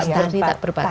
terus tadi tak berbatas